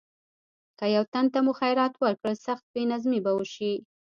که یو تن ته مو خیرات ورکړ سخت بې نظمي به شي.